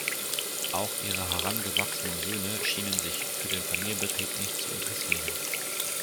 Auch ihre herangewachsenen Söhne schienen sich für den Familienbetrieb nicht zu interessieren.